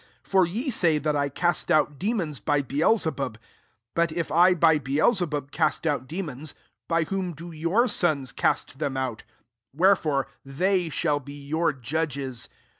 for ye say that I cast out de* mons by Beelzebub. 19 But if I by Beelzebub cast out de nums,' by whom do your sons cart them out ? Wherefore they shall be your judges.